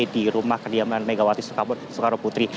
di rumah kediaman megawati soekarno putri